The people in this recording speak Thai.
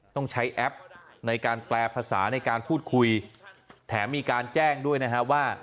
ต้องใช้แอปในการแปลภาษาในการพูดคุยแถมมีการแจ้งด้วยนะฮะว่า